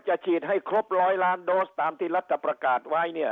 ฉีดให้ครบร้อยล้านโดสตามที่รัฐประกาศไว้เนี่ย